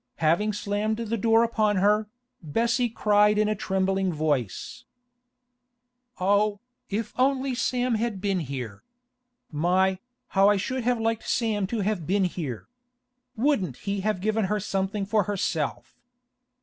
Having slammed the door upon her, Bessie cried in a trembling voice: 'Oh, if only Sam had been here! My, how I should have liked Sam to have been here! Wouldn't he have given her something for herself!